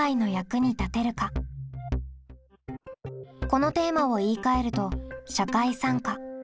このテーマを言いかえると「社会参加」。